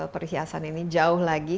perhiasan ini jauh lagi